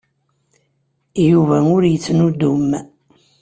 Yuba ur yettnuddum.